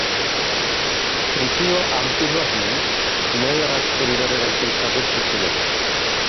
তৃতীয় Abdur Rahman Umayya রাজপরিবারের একজন সদস্য ছিলেন।